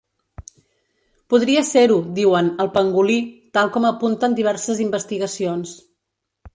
Podria ser-ho, diuen, el pangolí, tal com apunten diverses investigacions.